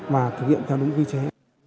và thực hiện theo đúng quy chế